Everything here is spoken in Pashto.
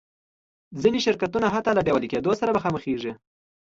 ځینې شرکتونه حتی له ډیوالي کېدو سره مخامخېږي.